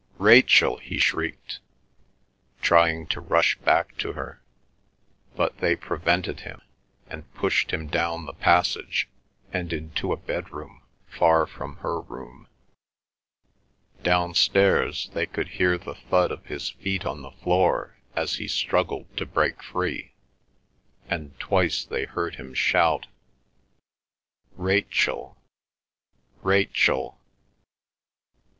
Rachel!" he shrieked, trying to rush back to her. But they prevented him, and pushed him down the passage and into a bedroom far from her room. Downstairs they could hear the thud of his feet on the floor, as he struggled to break free; and twice they heard him shout, "Rachel, Rachel!"